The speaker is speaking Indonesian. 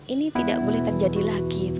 ini tidak boleh terjadi lagi